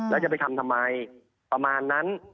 แล้วจะไปทำทำไมประมาณนั้น